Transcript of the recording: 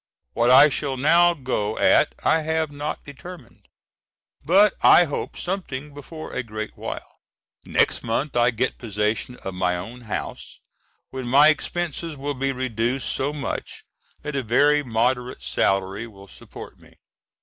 What I shall now go at I have not determined, but I hope something before a great while. Next month I get possession of my own house, when my expenses will be reduced so much that a very moderate salary will support me.